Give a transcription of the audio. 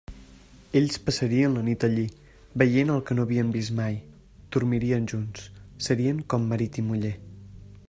Ells passarien la nit allí, veient el que no havien vist mai; dormirien junts: serien com marit i muller.